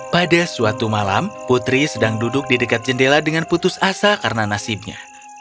pada suatu malam putri sedang duduk di dekat jendela dengan putus asa karena nasibnya